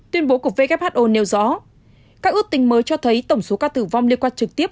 tuyên bố của who nêu rõ các ước tình mới cho thấy tổng số ca tử vong liên quan trực tiếp